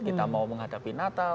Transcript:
kita mau menghadapi natal